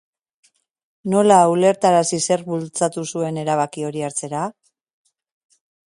Nola ulertarazi zerk bultzatu zuen erabaki hori hartzera?